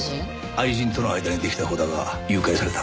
愛人との間にできた子だが誘拐された。